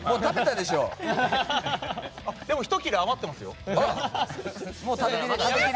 でも、ひと切れ余ってますよ。